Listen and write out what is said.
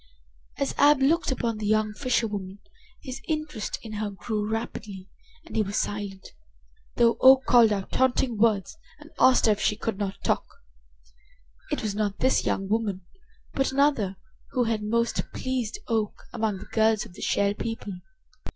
As Ab looked upon the young fisherwoman his interest in her grew rapidly and he was silent, though Oak called out taunting words and asked her if she could not talk. It was not this young woman, but another, who had most pleased Oak among the girls of the Shell People.